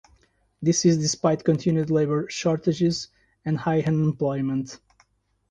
This is despite continued labor shortages and high unemployment.